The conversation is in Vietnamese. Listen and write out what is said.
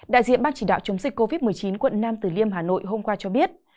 đại diện ban chỉ đạo chống dịch covid một mươi chín quận nam tử liêm hà nội hôm qua cho biết